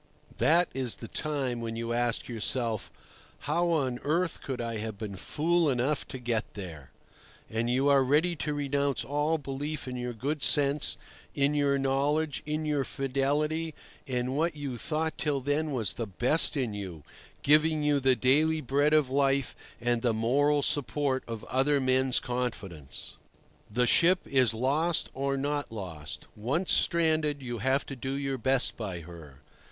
That is the time when you ask yourself, How on earth could I have been fool enough to get there? And you are ready to renounce all belief in your good sense, in your knowledge, in your fidelity, in what you thought till then was the best in you, giving you the daily bread of life and the moral support of other men's confidence. The ship is lost or not lost. Once stranded, you have to do your best by her.